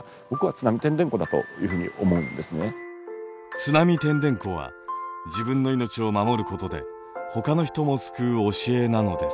「津波てんでんこ」は自分の命を守ることでほかの人も救う教えなのです。